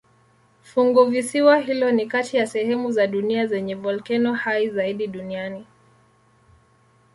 Funguvisiwa hilo ni kati ya sehemu za dunia zenye volkeno hai zaidi duniani.